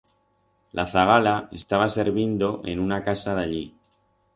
La zagala estaba servindo en una casa d'allí.